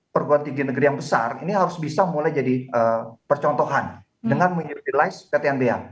perguruan tinggi negeri yang besar ini harus bisa mulai jadi percontohan dengan menyurtilize ptnb